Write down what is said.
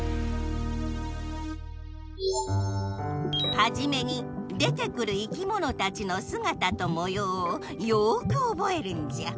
はじめに出てくるいきものたちのすがたともようをよくおぼえるんじゃ。